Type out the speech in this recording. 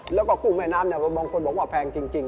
แล้วก็กุ้งแม่น้ำบางคนบอกว่าแพงจริง